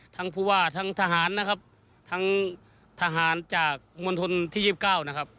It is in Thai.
ทั้งภูวาทั้งทหารนะครับทั้งทหารจากมวลทนที่๒๙นะครับ